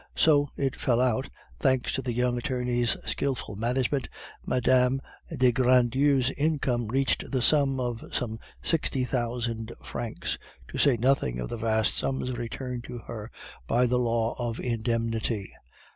So it fell out that, thanks to the young attorney's skilful management, Mme. de Grandlieu's income reached the sum of some sixty thousand francs, to say nothing of the vast sums returned to her by the law of indemnity.